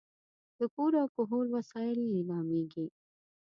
د کور او کهول وسایل لیلامېږي.